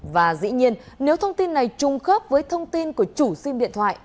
và dĩ nhiên nếu thông tin này trùng khớp với thông tin của chủ xin điện thoại